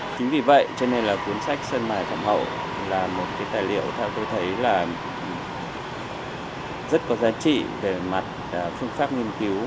chính vì vậy cho nên là cuốn sách sơn mài phạm hậu là một cái tài liệu theo tôi thấy là rất có giá trị về mặt phương pháp nghiên cứu